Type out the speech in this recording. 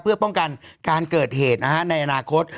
เพื่อป้องกันการเกิดเหตุในอนาคต